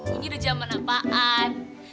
ini udah jaman apaan